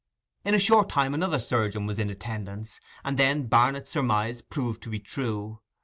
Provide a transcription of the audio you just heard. In a short time another surgeon was in attendance; and then Barnet's surmise proved to be true.